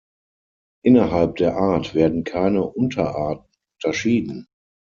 Innerhalb der Art werden keine Unterarten unterschieden.